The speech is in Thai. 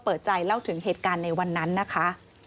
เปิดใจเล่าถึงเหตุการณ์ในวันนั้นนะคะ